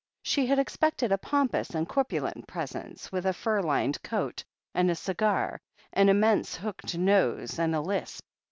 She had expected a pompous and corpulent presence, with a fur lined coat, and a cigar, an immense hooked nose and a lisp.